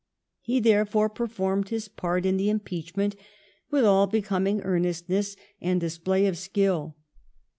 He therefore performed his part in the impeachment with all becoming earnestness and display of skill.